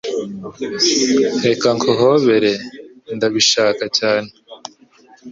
"Reka nkuhobere." "Ndabishaka cyane."